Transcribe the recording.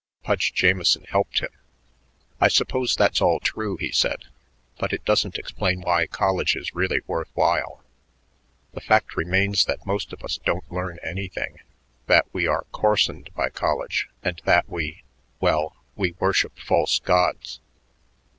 Pudge Jamieson helped him. "I suppose that's all true," he said, "but it doesn't explain why college is really worth while. The fact remains that most of us don't learn anything, that we are coarsened by college, and that we well, we worship false gods."